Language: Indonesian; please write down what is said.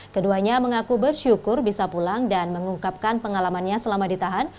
keduanya mengaku bersyukur bisa pulang dan mengungkapkan pengalamannya selama ditahan